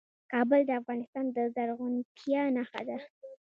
کابل د افغانستان د زرغونتیا نښه ده.